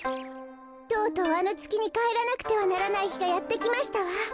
とうとうあのつきにかえらなくてはならないひがやってきましたわ。